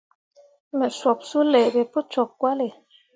Me sup suley ɓe pu cok cahl.